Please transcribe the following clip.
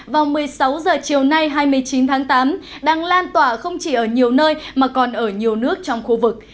vào một mươi sáu h chiều nay hai mươi chín tháng tám đang lan tỏa không chỉ ở nhiều nơi mà còn ở nhiều nước trong khu vực